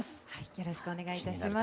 よろしくお願いします。